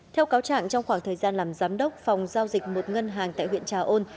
theo cáo trạng trong khoảng thời gian làm giám đốc phòng giao dịch một ngân hàng tại huyện trà ôn